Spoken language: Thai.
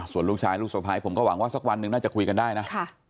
ส่วนลูกชายลูกสะพ้ายผมก็หวังว่าสักวันหนึ่งน่าจะคุยกันได้นะ